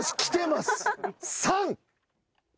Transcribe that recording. ３。